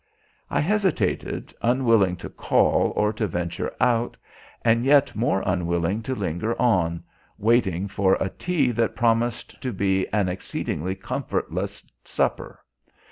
I hesitated, unwilling to call or to venture out, and yet more unwilling to linger on, waiting for a tea that promised to be an exceedingly comfortless supper.